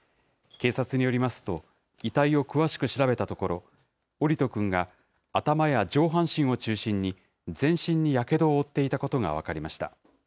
警察によりますと、遺体を詳しく調べたところ、桜利斗くんが頭や上半身を中心に、全身にやけどを負っていたことが分かりました。